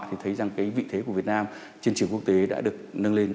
thì thấy rằng cái vị thế của việt nam trên trường quốc tế đã được nâng lên